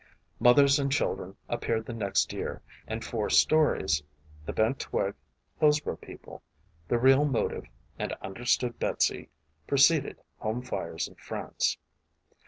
Mothers and Children appeared the next year and four stories The Bent Twig, Hillsboro People, The Real Motive and Understood Betsy preceded Home Fires in France.